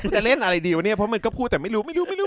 จะเล่นอะไรดีวะเนี่ยเพราะมันก็พูดแต่ไม่รู้ไม่รู้